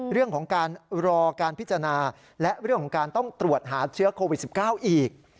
เรื่องของการรอการพิจารณาและเรื่องของการต้องตรวจหาเชื้อโควิด๑๙อีก